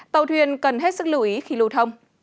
tàu thuyền cần hết sức lưu ý khi lưu thông